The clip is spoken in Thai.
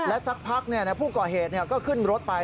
สักพักผู้ก่อเหตุก็ขึ้นรถไป